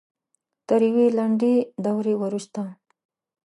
تر یوې لنډې دورې وروسته